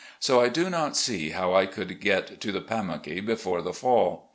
So I do not see how I could get to the Pamunkey before the fall.